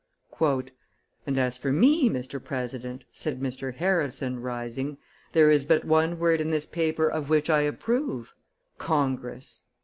"And as for me, Mr. President," said Mr. Harrison, rising, "there is but one word in this paper of which I approve Congress."